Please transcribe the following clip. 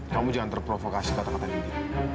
kamu jangan terprovokasi kata kata ini